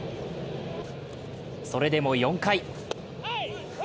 それでも４回。